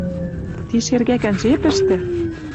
Ти шергӓкӓн жепӹштӹ?